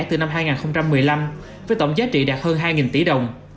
từ năm hai nghìn một mươi năm với tổng giá trị đạt hơn hai tỷ đồng